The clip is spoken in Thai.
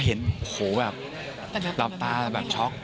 แล้วเห็นโหเหลือแบบลับตาแบบช็อค